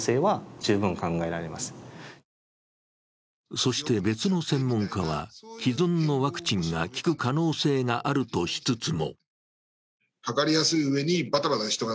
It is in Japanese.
そして別の専門家は既存のワクチンが効く可能性があるとしつつも。